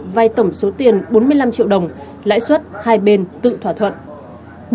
vai tổng số tiền bốn mươi năm triệu đồng lãi suất hai bên tự thỏa thuận